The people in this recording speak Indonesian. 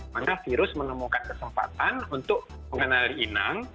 maka virus menemukan kesempatan untuk mengenali inang